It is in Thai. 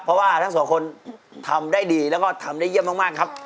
เพราะว่าทั้งสองคนทำได้ดีแล้วก็ทำได้เยี่ยมมากครับ